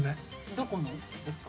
どこのですか？